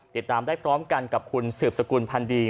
ติดตามได้พร้อมกันกับคุณสืบสกุลพันธ์ดี